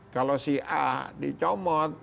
kalau si a dicomot